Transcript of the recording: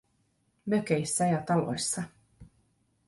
Mökeissä ja taloissa.